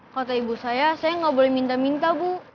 kotak ibu saya saya gak boleh minta minta bu